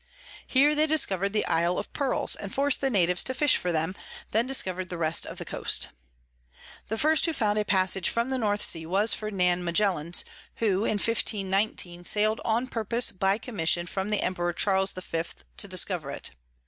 Here they discover'd the Isle of Pearls, and forc'd the Natives to fish for them, and then discover'd the rest of the Coast. The first who found a Passage from the North Sea was Ferdinand Magaillans, who in 1519 sail'd on purpose by Commission from the Emperor Charles V. to discover it.